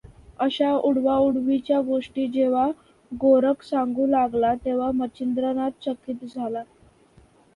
अशा उडवाउडवीच्या गोष्टी जेव्हा गोरख सांगू लागला तेव्हा मच्छिंद्रनाथ चकित झाला.